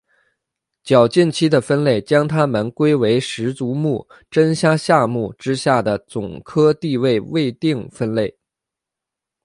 较近期的分类将它们归为十足目真虾下目之下的总科地位未定分类。